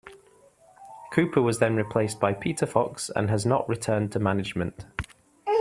Cooper was then replaced by Peter Fox and has not returned to management.